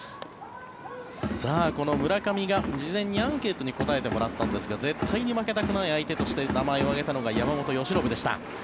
この村上が事前にアンケートに答えてもらったんですが絶対に負けたくない相手として名前を挙げたのが山本由伸選手でした。